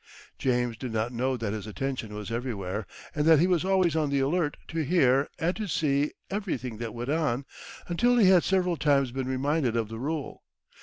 James did not know that his attention was everywhere, and that he was always on the alert to hear and to see everything that went on, until he had several times been reminded of the rule.